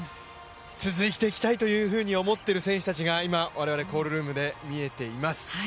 続いていきたいと思っている選手たちが我々、コールルームで見えています。